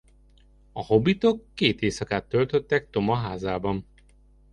A hobbitok két éjszakát töltöttek Toma házában.